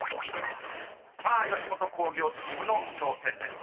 ［さあ吉本興業チームの挑戦です］